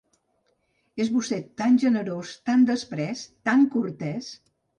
És vostè tan generós, tan desprès, tan cortès.